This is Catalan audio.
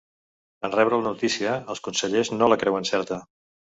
En rebre la notícia, els consellers no la creuen certa.